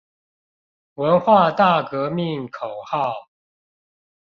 文化大革命口號